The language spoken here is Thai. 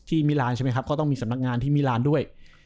มิลานใช่ไหมครับก็ต้องมีสำนักงานที่มิลานด้วย